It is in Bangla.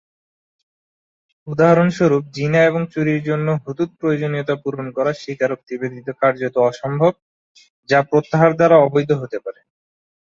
উদাহরণস্বরূপ, জিনা এবং চুরির জন্য "হুদুদ" প্রয়োজনীয়তা পূরণ করা স্বীকারোক্তি ব্যতীত কার্যত অসম্ভব, যা প্রত্যাহার দ্বারা অবৈধ হতে পারে।